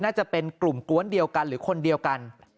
น่าจะเป็นกลุ่มกวนเดียวกันหรือคนเดียวกัน